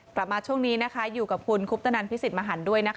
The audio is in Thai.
กลับมาช่วงนี้อยู่กับคุณคุปเตอร์นันท์พี่สิทธิ์มหันด้วย